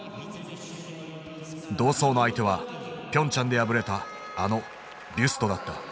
同走の相手はピョンチャンで敗れたあのビュストだった。